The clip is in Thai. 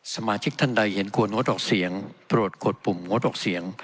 สมาชิกท่านใดเห็นควรงดออกเสียงโปรดกดปุ่มงดออกเสียง